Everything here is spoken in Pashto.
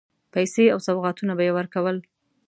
پیسې او سوغاتونه به یې ورکول.